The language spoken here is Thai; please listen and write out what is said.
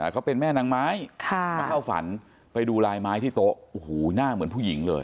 เขาเป็นแม่นางไม้มาเข้าฝันไปดูลายไม้ที่โต๊ะโอ้โหหน้าเหมือนผู้หญิงเลย